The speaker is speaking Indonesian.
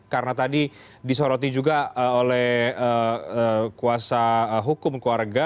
karena tadi disoroti juga oleh kuasa hukum keluarga